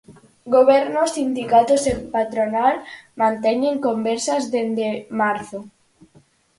Goberno, sindicatos e patronal manteñen conversas dende marzo.